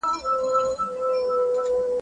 ښکلي آواز دي زما سړو وینو ته اور ورکړی.